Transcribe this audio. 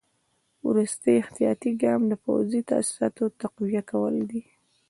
وروستی احتیاطي ګام د پوځي تاسیساتو تقویه کول وو.